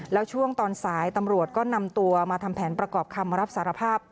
แล้วช่วงตอนสายตำรวจก็นำตัวมาทำแผนประกอบคำรับสารภาพ